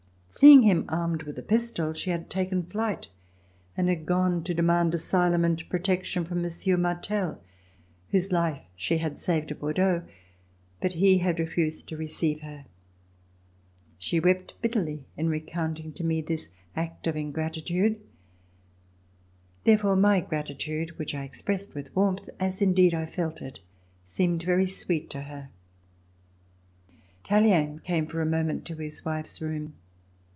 Seeing him armed with a pistol, she had taken flight and had gone to demand asylum and protection from Monsieur Martell, whose life she had saved at Bordeaux, but he had refused to receive her. She wept bitterly in recounting to me this act of in gratitude. Therefore my gratitude which I expressed [271 ] RECOLLECTIONS OF THE REVOLUTION with warmth, as indeed I felt it, seemed very sweet to her. Tallien came for a moment to his wife's room.